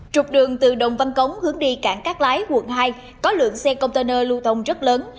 trục đường từ đồng văn cống hướng đi cảng cát lái quận hai có lượng xe container lưu thông rất lớn